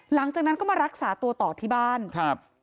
หลังจากนั้นก็มารักษาตัวต่อที่บ้านครับ